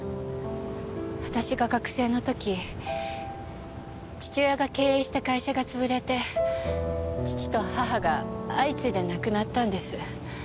私が学生の時父親が経営した会社が潰れて父と母が相次いで亡くなったんです。